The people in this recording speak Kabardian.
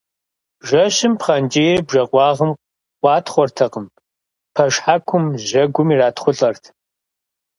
Жэщым пхъэнкӀийр бжэкъуагъым къуатхъуэртэкъым пэшхьэкум, жьэгум иратхъулӀэрт.